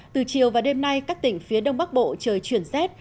từ chiều và đêm nay các tỉnh phía đông bắc bộ trời chuyển rét